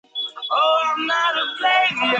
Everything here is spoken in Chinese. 室友大胖告白。